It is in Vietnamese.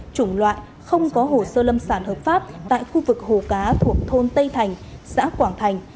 chủng loại không có hồ sơ lâm sản hợp pháp tại khu vực hồ cá thuộc thôn tây thành xã quảng thành